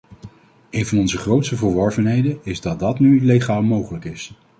Een van onze grootste verworvenheden is dat dat nu legaal mogelijk is.